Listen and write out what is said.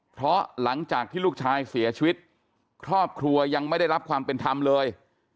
เพราะหลังจากที่ลูกชายเสียชีวิตครอบครัวยังไม่ได้รับความเป็นธรรมเลย